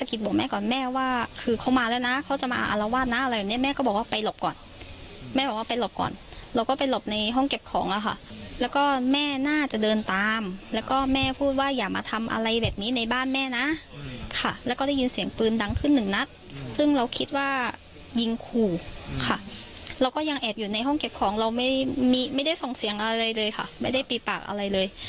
เราก็ยังแอบอยู่ในห้องเก็บของเราไม่ได้ส่งเสียงอะไรเลยค่ะไม่ได้ปรีบปากอะไรเลย